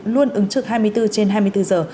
luôn ứng trực hai mươi bốn trên hai mươi bốn giờ